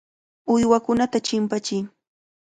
Uywakunata chimpachiy.